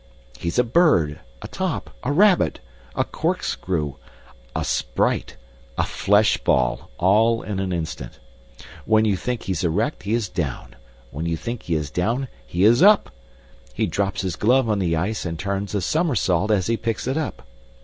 He's a bird, a top, a rabbit, a corkscrew, a sprite, a fleshball, all in an instant. When you think he's erect, he is down, and when you think he is down, he is up. He drops his glove on the ice and turns a somersault as he picks it up.